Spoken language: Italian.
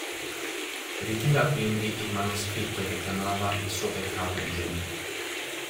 Ritira quindi il manoscritto che chiamava il suo “peccato di gioventù”.